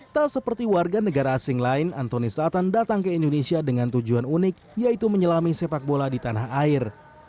tak seperti warga negara asing lain anthony sathan datang ke indonesia dengan tujuan unik yaitu menyelami sepak bola di tanah air